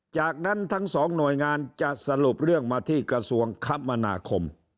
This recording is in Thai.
จากนั้นทั้งสองหน่วยงานจะสรุปเรื่องมาที่กระทรวงคมนาคม